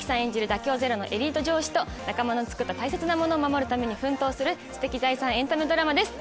妥協ゼロのエリート上司と仲間のつくった大切なものを守るために奮闘する知的財産エンタメドラマです